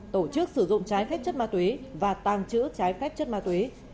tổ chức sử dụng trái phép chất ma túy và tàng trữ trái phép chất ma túy